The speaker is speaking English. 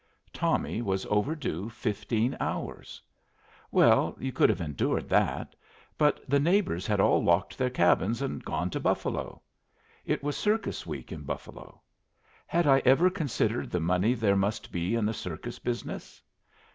Tommy was overdue fifteen hours. Well, you could have endured that, but the neighbors had all locked their cabins and gone to Buffalo. It was circus week in Buffalo. Had I ever considered the money there must be in the circus business?